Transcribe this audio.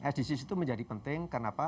sdgs itu menjadi penting kenapa